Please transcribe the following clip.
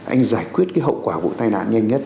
anh giải quyết cái hậu quả vụ tai nạn nhanh nhất